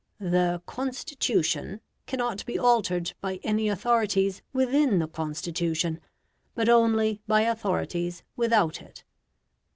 The "Constitution" cannot be altered by any authorities within the Constitution, but only by authorities without it.